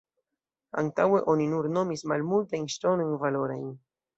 Antaŭe oni nur nomis malmultajn ŝtonojn valorajn.